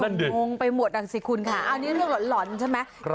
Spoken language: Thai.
มันงงไปหมดอ่ะสิคุณค่ะอันนี้เรื่องหล่อนใช่ไหม